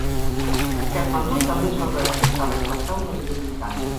Katmandú també es va veure forçada a acceptar un Resident Britànic.